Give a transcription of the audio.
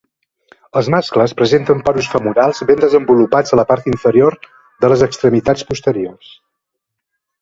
Els mascles presenten porus femorals ben desenvolupats a la part inferior de les extremitats posteriors.